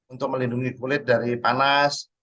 untuk melindungi kulit dari panas